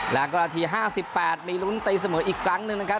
แล้วก็นาที๕๘มีลุ้นตีเสมออีกครั้งหนึ่งนะครับ